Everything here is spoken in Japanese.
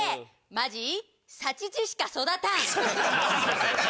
マジ左チチしか育たん！